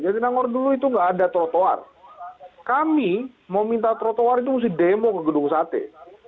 jatinangor dulu itu nggak ada trotoar kami mau minta trotoar itu mesti demo ke gedung sate